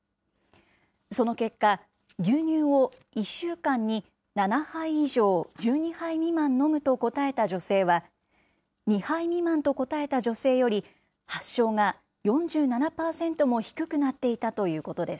その結果、牛乳を１週間に７杯以上１２杯未満飲むと答えた女性は、２杯未満と答えた女性より、発症が４７％も低くなっていたということです。